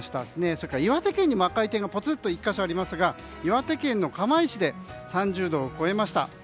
それから岩手県にも赤い点がぽつっと１か所ありますが、岩手県の釜石で３０度を超えました。